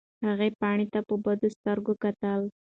هغې پاڼې ته په بدو سترګو کتل.